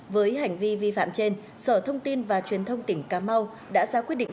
với hành vi vi phạm trên sở thông tin và truyền thông tỉnh cà mau đã ra quyết định